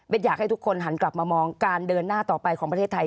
อยากให้ทุกคนหันกลับมามองการเดินหน้าต่อไปของประเทศไทย